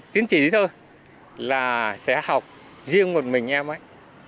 tiến trí thôi là sẽ học riêng một mình em ấy